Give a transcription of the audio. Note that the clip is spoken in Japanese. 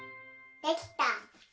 できた。